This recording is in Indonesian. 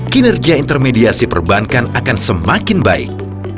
kinerja intermediasi perbankan akan semakin baik